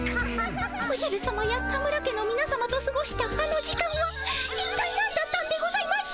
おじゃるさまや田村家のみなさまとすごしたあの時間はいったいなんだったんでございましょう。